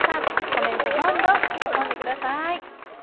コメントどんどん書き込んで下さい。